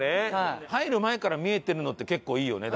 入る前から見えてるのって結構いいよね